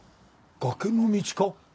崖の道か？